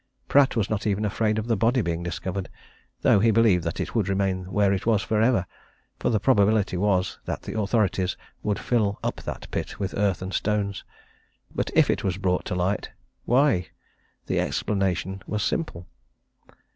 Pratt was not even afraid of the body being discovered though he believed that it would remain where it was for ever for the probability was that the authorities would fill up that pit with earth and stones. But if it was brought to light? Why, the explanation was simple.